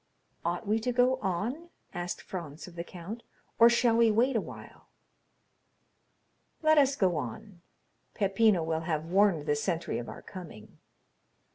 "Ought we to go on?" asked Franz of the count; "or should we pause?" "Let us go on; Peppino will have warned the sentry of our coming."